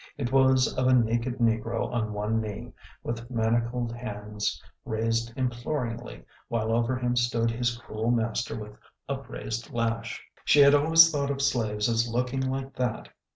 It was of a naked negro on one knee, with manacled hands raised imploringly, while over him stood his cruel master with upraised lash. She had always thought of slaves as looking like that.